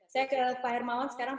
saya ke pak hermawan sekarang